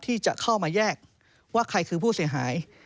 ที่จะเข้ามาแยกว่าใครคือผู้เสียหาย